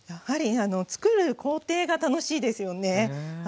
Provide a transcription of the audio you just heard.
やはりつくる工程が楽しいですよね。